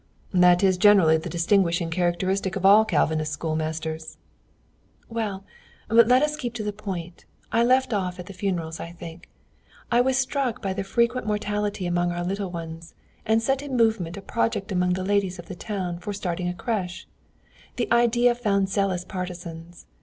"That is generally the distinguishing characteristic of all Calvinist schoolmasters." "Well, but let us keep to the point. I left off at the funerals, I think. I was struck by the frequent mortality among our little ones, and set in movement a project among the ladies of the town for starting a crèche. The idea found zealous partisans.